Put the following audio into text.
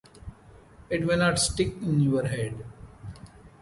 It may not stick in your head.